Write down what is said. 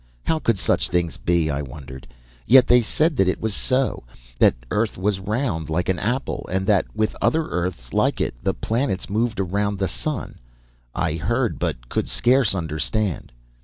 How could such things be, I wondered. Yet they said that it was so, that earth was round like an apple, and that with other earths like it, the planets, moved round the sun. I heard, but could scarce understand.